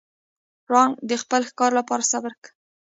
پړانګ د خپل ښکار لپاره صبر کوي.